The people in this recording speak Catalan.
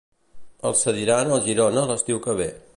El cediran al Girona l'estiu que ve.